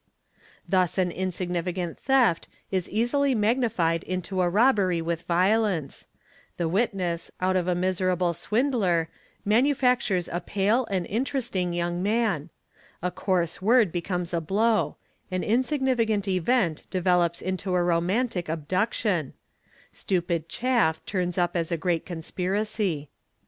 Thus an insignifican theft is easily magnified into a robbery with violence; the witness, ov of a miserable swindler, manufactures a pale and interesting young man; coarse word becomes a blow; an insignificant event develops into a roman tic abduction; stupid chaff turns up as a great conspiracy.